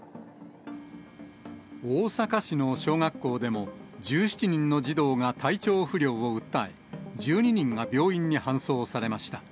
大阪市の小学校でも、１７人の児童が体調不良を訴え、１２人が病院に搬送されました。